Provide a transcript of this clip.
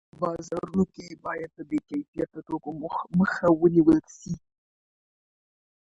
په بازارونو کي باید د بې کیفیته توکو مخه ونیول سي.